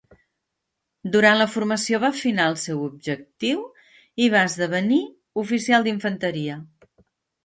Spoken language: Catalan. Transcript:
Durant la formació va afinar el seu objectiu i va esdevenir oficial d'infanteria.